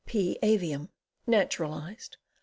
P. Avium. Naturalized.